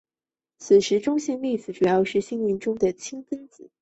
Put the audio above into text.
此时的中性粒子主要是星云中的氢分子。